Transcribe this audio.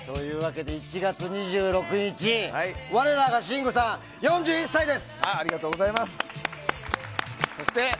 １月２６日、我らが信五さん４１歳です。